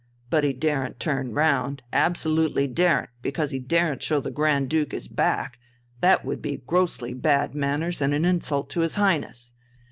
But he daren't turn round, absolutely daren't, because he daren't show the Grand Duke his back, that would be grossly bad manners and an insult to his Highness.